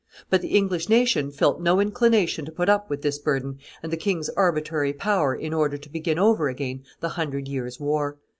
But the English nation felt no inclination to put up with this burden and the king's arbitrary power in order to begin over again the Hundred Years' War.